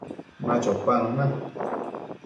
Ma chopanuna